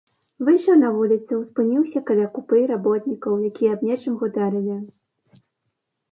Выйшаў на вуліцу, спыніўся каля купы работнікаў, якія аб нечым гутарылі.